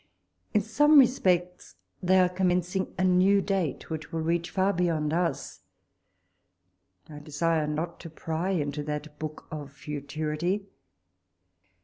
In some respects, they are commencing a new date, which will reach far beyond ns. I desire not to pry into that book of futurity.